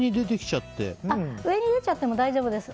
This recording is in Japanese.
上に出ちゃっても大丈夫です。